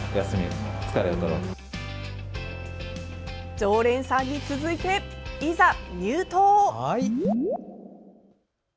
常連さんに続いていざ入湯！